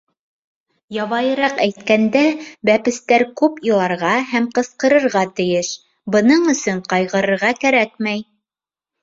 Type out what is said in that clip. Ябайыраҡ әйткәндә, бәпестәр күп иларға һәм ҡысҡырырға тейеш, бының өсөн ҡайғырырға кәрәкмәй.